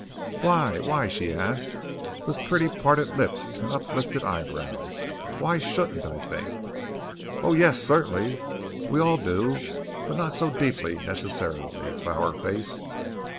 "Why, why," she asked, with pretty parted lips and uplifted eyebrows, "why shouldn't I think?" "Oh, yes, certainly, we all do, but not so deeply, necessarily, Flower Face."